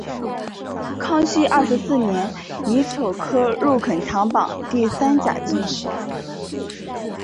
康熙廿四年乙丑科陆肯堂榜第三甲进士。